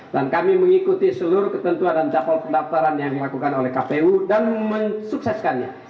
dan kami mengikuti seluruh ketentuan dan jadwal pendaftaran yang dilakukan oleh kpu dan mensukseskannya